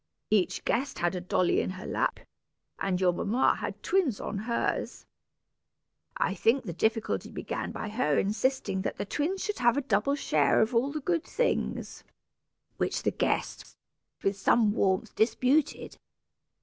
Each guest had a dolly in her lap, and your mamma had twins on hers. I think the difficulty began by her insisting that the twins should have a double share of all the good things, which the guests, with some warmth, disputed.